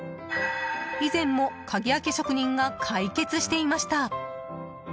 以前も鍵開け職人が解決していました。